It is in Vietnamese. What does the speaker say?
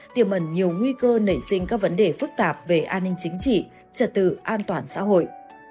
tiềm ẩn nhiều nguy cơ nảy sinh các vấn đề phức tạp về an ninh chính trị trật tự an toàn xã hội